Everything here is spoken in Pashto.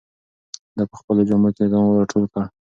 ده په خپلو جامو کې ځان راټول کړ.